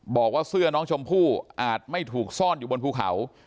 บอกว่าเสื้อน้องชมพู่อาจไม่ถูกซ่อนอยู่บนภูเขา